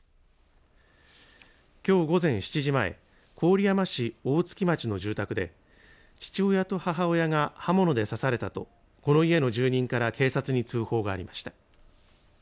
きょう午前７時前、郡山市大槻町の住宅で父親と母親が刃物で刺されたとこの家の住人から警察に通報がありました。